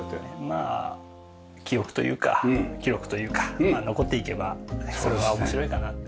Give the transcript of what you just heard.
まあ記憶というか記録というか残っていけばそれが面白いかなって。